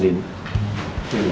sekian lagi yuk